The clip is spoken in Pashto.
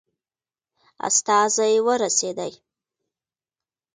استازی ورسېدی.